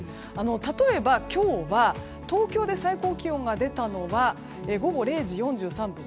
例えば、今日は東京で最高気温が出たのが午後０時４３分。